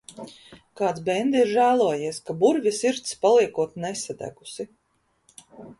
Kāds bende ir žēlojies, ka burvja sirds paliekot nesadegusi.